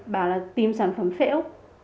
bảo là tìm sản phẩm phễu